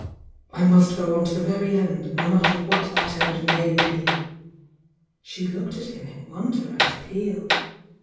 I must go on to the very end,— no matter what that end may be!" She looked at him in wonder and appeal.